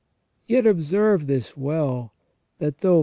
Yet observe this well, that though man • S.